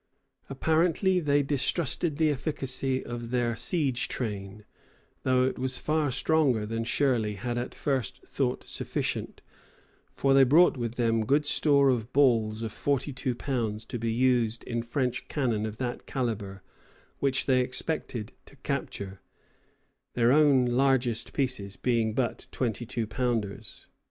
] Apparently they distrusted the efficacy of their siege train, though it was far stronger than Shirley had at first thought sufficient; for they brought with them good store of balls of forty two pounds, to be used in French cannon of that calibre which they expected to capture, their own largest pieces being but twenty two pounders.